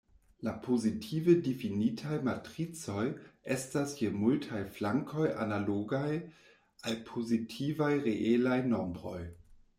La pozitive difinitaj matricoj estas je multaj flankoj analogaj al pozitivaj reelaj nombroj.